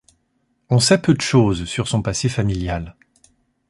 On sait peu de choses sur son passé familial.